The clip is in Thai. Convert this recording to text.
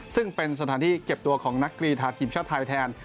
ซึ่งเป็นสถานที่เก็บตัวของนักกรีธาทีมชาติไทยแทน